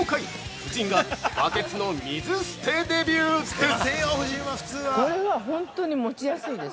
夫人がバケツの水捨てデビューです！